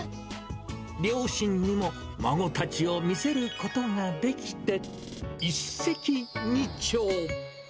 両親にも、孫たちを見せることができて一石二鳥。